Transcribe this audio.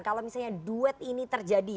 kalau misalnya duet ini terjadi